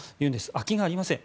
空きがありません。